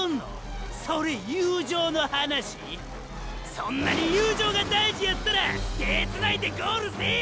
そんなに友情が大事やったら手ぇつないでゴールせえや！